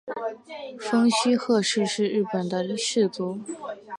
蜂须贺氏是日本的氏族。